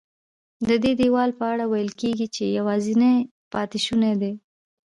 ددې دیوال په اړه ویل کېږي چې یوازینی پاتې شونی دی.